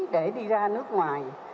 để đi ra nước ngoài